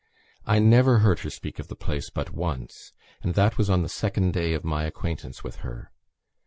I never heard her speak of the place but once, and that was on the second day of my acquaintance with her.